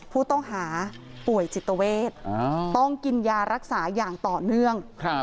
ผู้ต้องหาป่วยจิตเวทต้องกินยารักษาอย่างต่อเนื่อง